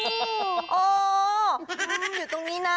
โอ้โหอยู่ตรงนี้นะ